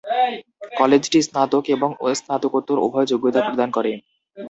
কলেজটি স্নাতক এবং স্নাতকোত্তর উভয় যোগ্যতা প্রদান করে।